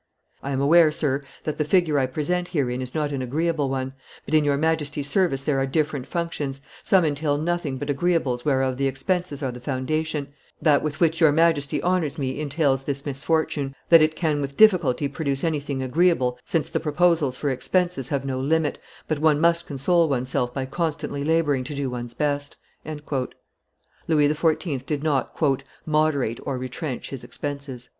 I am aware, Sir, that the figure I present herein is not an agreeable one; but in your Majesty's service there are different functions; some entail nothing but agreeables whereof the expenses are the foundation; that with which your Majesty honors me entails this misfortune, that it can with difficulty produce anything agreeable, since the proposals for expenses have no limit; but one must console one's self by constantly laboring to do one's best." Louis XIV. did not "moderate or retrench his expenses."